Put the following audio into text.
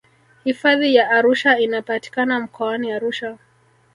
hifadhi ya arusha inapatikana mkoani arusha